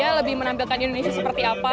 lebih menampilkan indonesia seperti apa